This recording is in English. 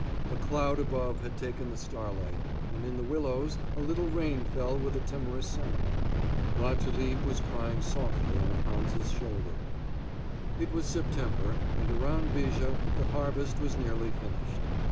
A cloud above had taken the starlight, and in the willows a little rain fell with a timorous sound. Latulipe was crying softly on Hans's shoulder. It was September, and around Viger the harvest was nearly finished.